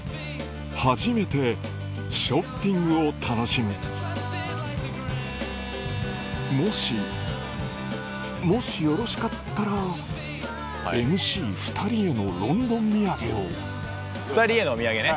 初めてショッピングを楽しむもしもしよろしかったらＭＣ２人へのロンドン土産を２人へのお土産ね？